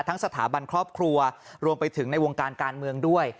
สถาบันครอบครัวรวมไปถึงในวงการการเมืองด้วย